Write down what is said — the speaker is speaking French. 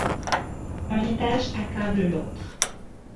Un étage accable l’autre.